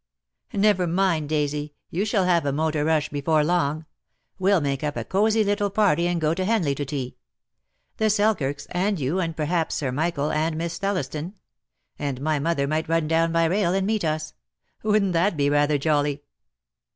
"Never mind, Daisy, you shall have a motor rush before long. We'll make up a cosy little party and go to Henley to tea. The Selkirks, and you, and perhaps Sir Michael and Miss Thelliston. And my mother might run down by rail and meet us. Wouldn't that be rather jolly?"